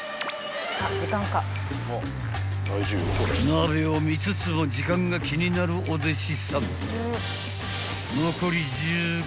［鍋を見つつも時間が気になるお弟子さん］